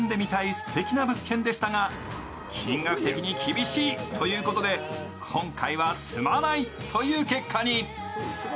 すてきな物件でしたが、金額的に厳しいということで今回は住まないという結果に。